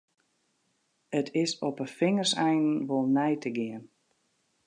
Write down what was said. It is op 'e fingerseinen wol nei te gean.